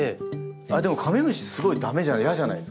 でもカメムシすごい駄目じゃ嫌じゃないですか。